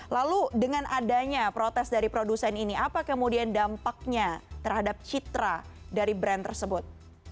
lalu dengan adanya protes dari produsen ini apa kemudian dampaknya terhadap citra dari brand tersebut